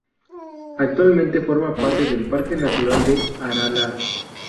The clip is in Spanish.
Actualmente forma parte del "Parque Natural de Aralar".